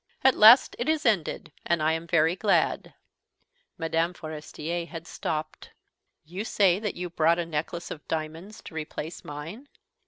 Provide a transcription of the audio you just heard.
At last it is ended, and I am very glad." Mme. Forestier had stopped. "You say that you bought a necklace of diamonds to replace mine?"